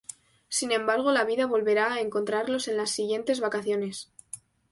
Sin embargo, la vida volverá a encontrarlos en las siguientes vacaciones.